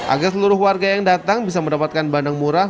agar seluruh warga yang datang bisa mendapatkan bandeng murah